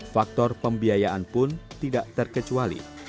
faktor pembiayaan pun tidak terkecuali